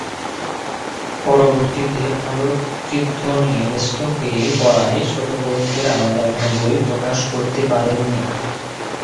পরবর্তিতে আলোকচিত্র নিয়ে ব্যস্ত হয়ে পড়ায় ছোটগল্পের আলাদা কোন বই প্রকাশ করতে পারেন নি।